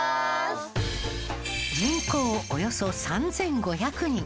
人口およそ３５００人。